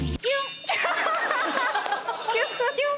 キュン！